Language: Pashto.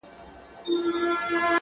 نو ایله یې له کوټې څخه بهر کړ!!